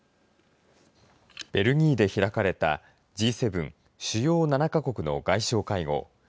ベルギーで開かれた、Ｇ７・主要７か国の外相会合。